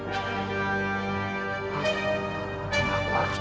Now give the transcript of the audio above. aku harus dibiarkan